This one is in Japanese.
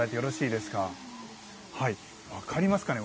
はい分かりますかね？